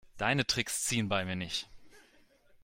Deine Tricks ziehen bei mir nicht.